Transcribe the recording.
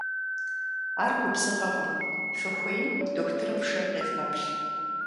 Ар губзыгъэкъым, фыхуейм дохутырым фшэи къевгъэплъ.